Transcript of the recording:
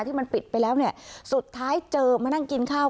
ที่มันปิดไปแล้วเนี่ยสุดท้ายเจอมานั่งกินข้าว